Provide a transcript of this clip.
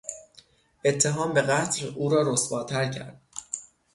اتهام به قتل او را رسواتر کرد.